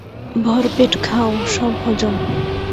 ভরপেট খাও, সব হজম।